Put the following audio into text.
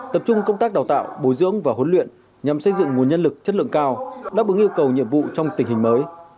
tập trung công tác đào tạo bồi dưỡng và huấn luyện nhằm xây dựng nguồn nhân lực chất lượng cao đáp ứng yêu cầu nhiệm vụ trong tình hình mới